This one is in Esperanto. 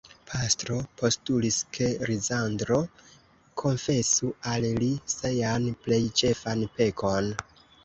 Pastro postulis, ke Lizandro konfesu al li sian plej ĉefan pekon.